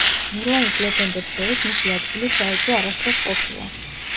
მილანის ლეგენდებს შორის მისი ადგილი საეჭვო არასდროს ყოფილა.